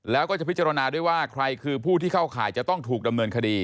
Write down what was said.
แล้วก็จะพิจารณาด้วยว่าใครคือผู้ที่เข้าข่ายจะต้องถูกดำเนินคดี